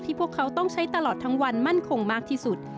พวกเขาต้องใช้ตลอดทั้งวันมั่นคงมากที่สุด